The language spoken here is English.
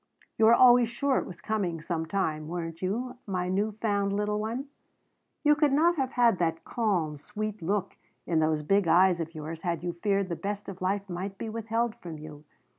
You were always sure it was coming some time, weren't you, my new found little one? You could not have had that calm, sweet look in those big eyes of yours had you feared the best of life might be withheld from you.